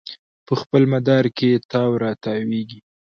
په خپل مدار کې تاو راتاویږي